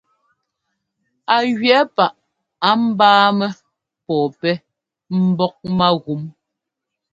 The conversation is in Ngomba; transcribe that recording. Á jʉɛ̌ paʼ á ḿbáamɛ́ pɔ̂pɛ́ mbɔ́k mágúm.